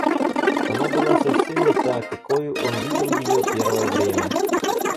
Она была совсем не та, какою он видел ее первое время.